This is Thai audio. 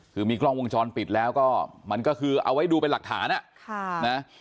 คือมีกล้องวงจรปิดแล้วก็มันก็คือเอาไว้ดูเป็นหลักฐานอ่ะค่ะนะ